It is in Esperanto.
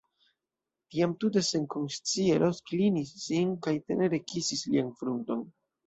Tiam tute senkonscie Ros klinis sin kaj tenere kisis lian frunton.